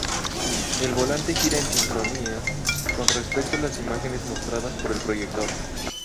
El volante gira en sincronía con respecto a las imágenes mostradas por el proyector.